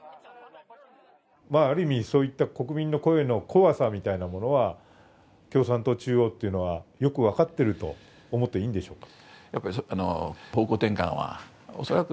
ある意味そういった国民の声の怖さみたいなものは共産党中央というのは、よく分かってると思っていいんでしょうか？